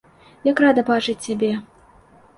Як рада бачыць цябе!